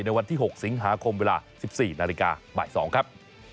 ในวันที่๖สิงหาคมเวลา๑๔นาฬิกาบ่าย๒ครับ